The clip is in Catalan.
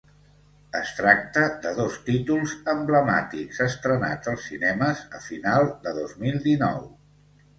Es tracta de dos títols emblemàtics estrenats als cinemes a final de dos mil dinou.